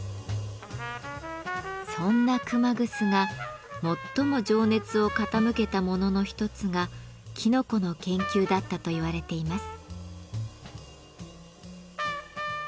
そんな熊楠が最も情熱を傾けたものの一つがきのこの研究だったと言われています。